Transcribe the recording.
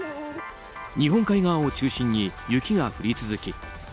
日本海側を中心に雪が降り続き